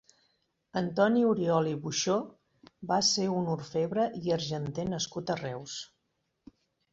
Antoni Oriol i Buxó va ser un orfebre i argenter nascut a Reus.